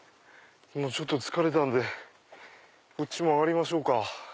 ちょっと疲れたんでこっち曲がりましょうか。